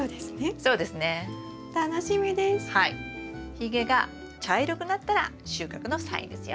ひげが茶色くなったら収穫のサインですよ。